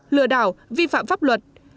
lừa đảo vi phạm pháp luật